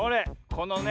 このね